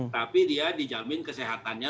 tapi dia dijamin kesehatannya